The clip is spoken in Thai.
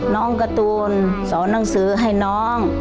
น้องการ์ตูนสอนหนังสือให้น้อง